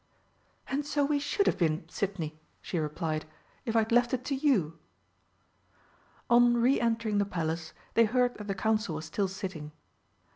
"And so we should have been, Sidney," she replied, "if I'd left it to you!" On re entering the Palace they heard that the Council was still sitting.